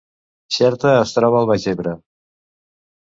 Xerta es troba al Baix Ebre